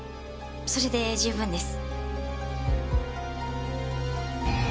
それで十分です。